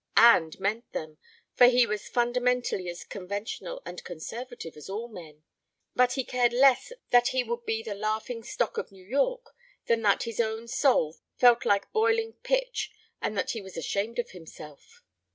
And meant them, for he was fundamentally as conventional and conservative as all men. ... But he cared less that he would be the laughing stock of New York than that his own soul felt like boiling pitch and that he was ashamed of himself.